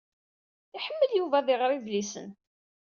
Iḥemmel Yuba ad iɣeṛ idlisen.